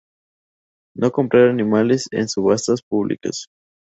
No comprar animales en subastas públicas.